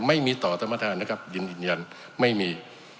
ไม่มีต่อธรรมดานะครับยินยันยันไม่มี